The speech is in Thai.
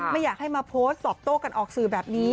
ไม่อยากให้มาโพสต์ตอบโต้กันออกสื่อแบบนี้